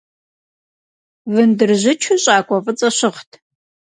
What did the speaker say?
Вындыржьычу щӏакӏуэ фӏыцӏэ щыгът.